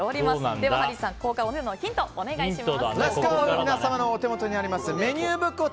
ではハリーさん、お値段のヒントお願いします。